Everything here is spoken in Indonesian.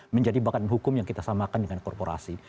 menjadi badan hukum yang kita samakan dengan korporasi